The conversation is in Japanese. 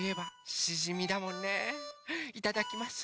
いただきます。